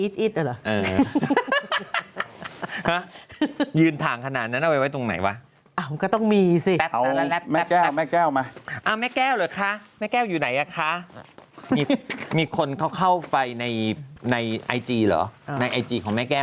สิตางเขาสะบัดอย่างนี้จนเขาชินเลย